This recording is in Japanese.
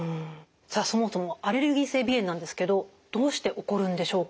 さあそもそもアレルギー性鼻炎なんですけどどうして起こるんでしょうか？